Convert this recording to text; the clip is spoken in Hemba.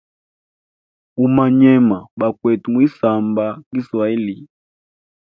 Umanywema bakwete mwisamba kiswahili.